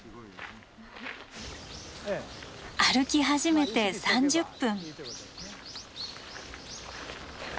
歩き始めて３０分。